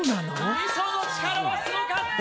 みその力はすごかった。